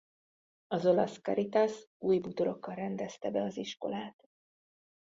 Az olasz Caritas új bútorokkal rendezte be az iskolát.